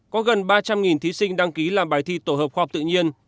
có gần ba trăm linh thí sinh đăng ký làm bài thi tổ hợp khoa học tự nhiên